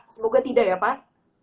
semoga tidak ya pak